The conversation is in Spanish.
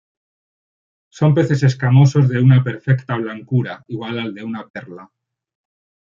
Son peces escamosos de una perfecta blancura, igual al de una perla.